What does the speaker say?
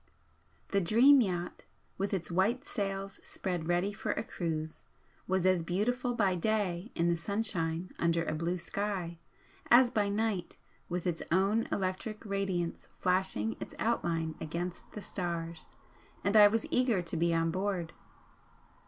The 'Dream' yacht, with its white sails spread ready for a cruise, was as beautiful by day in the sunshine under a blue sky as by night with its own electric radiance flashing its outline against the stars, and I was eager to be on board.